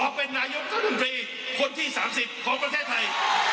เป็นนายกรัฐมนตรีคนที่๓๐ของประเทศไทย